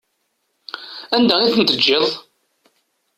Anda i tent-teǧǧiḍ?